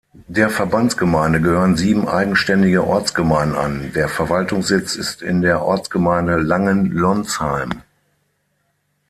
Der Verbandsgemeinde gehören sieben eigenständige Ortsgemeinden an, der Verwaltungssitz ist in der Ortsgemeinde Langenlonsheim.